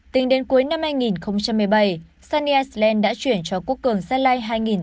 tính đến cuối năm hai nghìn một mươi bảy sunny island đã chuyển cho quốc cường salai hai tám trăm tám mươi hai tỷ đồng